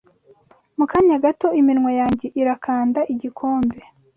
Mu kanya gato iminwa yanjye irakanda igikombe